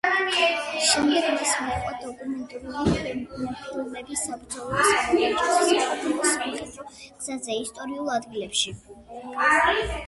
შემდეგ მას მიჰყვა დოკუმენტური ფილმები „საბრძოლო სადარაჯოზე“, „საქართველოს სამხედრო გზაზე“, „ისტორიულ ადგილებში“.